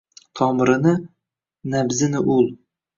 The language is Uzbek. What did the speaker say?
Tomirini — nabzini ul